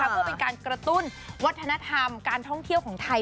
เพื่อเป็นการกระตุ้นวัฒนธรรมการท่องเที่ยวของไทย